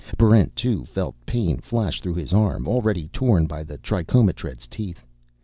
Barrent 2 felt pain flash through his arm, already torn by the trichomotred's teeth.